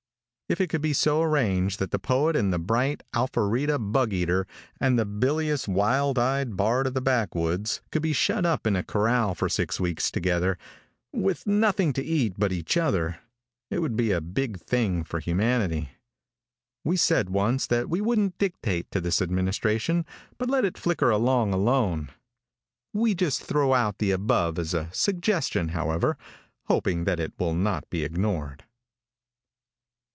If it could be so arranged that the poet and the bright Alfarita bug eater and the bilious wild eyed bard of the backwoods could be shut up in a corral for six weeks together, with nothing to eat but each other, it would be a big thing for humanity. We said once that we wouldn't dictate to this administration, but let it flicker along alone. We just throw out the above as a suggestion, however, hoping that it will not be ignored.